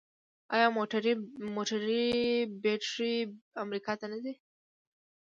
آیا موټرې بیرته امریکا ته نه ځي؟